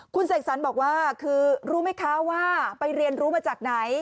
คุณเสกสรรบอกว่าคือรู้ไหมคะว่าไปเรียนรู้มาจากไหน